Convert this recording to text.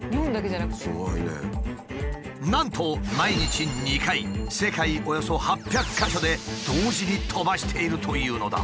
なんと毎日２回世界およそ８００か所で同時に飛ばしているというのだ。